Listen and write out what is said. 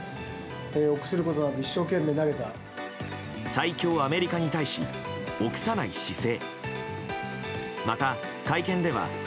最強アメリカに対し臆さない姿勢。